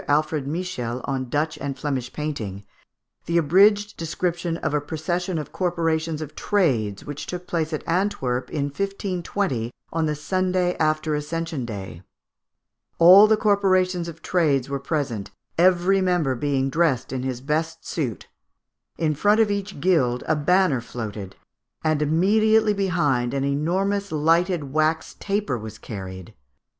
Alfred Michiels on Dutch and Flemish painting, the abridged description of a procession of corporations of trades, which took place at Antwerp in 1520, on the Sunday after Ascension Day. "All the corporations of trades were present, every member being dressed in his best suit." In front of each guild a banner floated; and immediately behind an enormous lighted wax taper was carried.